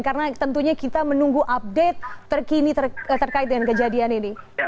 karena tentunya kita menunggu update terkini terkait dengan kejadian ini